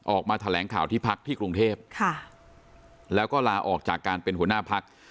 ออกมาแถลงข่าวที่พักที่กรุงเทพแล้วก็ลาออกจากการเป็นหัวหน้าพัก